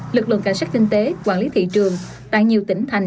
lực lượng cảnh sát kinh tế quản lý thị trường tại nhiều tỉnh thành